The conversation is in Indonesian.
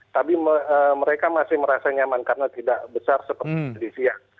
tapi mereka masih merasa nyaman karena tidak besar seperti indonesia